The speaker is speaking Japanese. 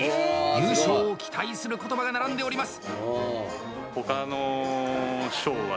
優勝を期待する言葉が並んでおります。